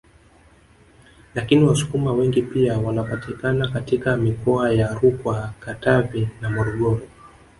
Lakini Wasukuma wengi pia wanapatikana katika mikoa ya Rukwa Katavi na Morogoro